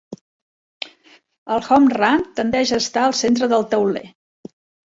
El "home run" tendeix a estar al centre del tauler.